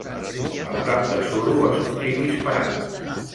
El tap de suro va sortir disparat.